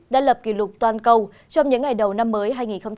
đã lập kỷ lục toàn cầu trong những ngày đầu năm mới hai nghìn hai mươi